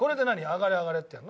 上がれ上がれってやるの？